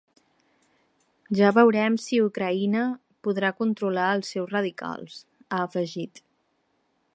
Ja veurem si Ucraïna podrà controlar els seus radicals, ha afegit.